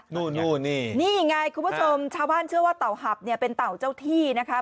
นู่นนี่นี่ไงคุณผู้ชมชาวบ้านเชื่อว่าเต่าหับเนี่ยเป็นเต่าเจ้าที่นะคะ